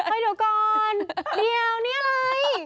เดี๋ยวก่อนเหนียวนี่อะไร